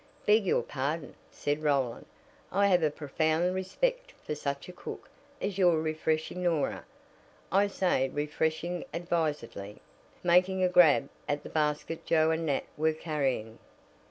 "Beg your pardon," said Roland. "I have a profound respect for such a cook as your refreshing Norah I say refreshing advisedly," making a grab at the basket Joe and Nat were carrying.